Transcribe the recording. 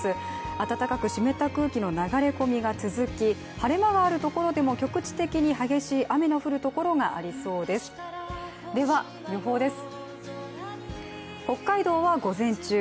暖かく湿った空気の流れ込みが続き、晴れ間があるところでも局地的に激しい雨の降るところがありそうですでは、予報です。